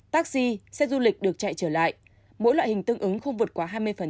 taxi xe du lịch được chạy trở lại mỗi loại hình tương ứng không vượt quá hai mươi